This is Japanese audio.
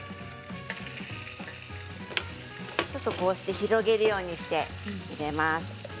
こうして広げるようにして入れます。